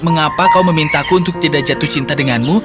dan mengapa kau memintaku untuk tidak jatuh cinta denganmu